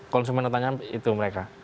konsumen utangnya itu mereka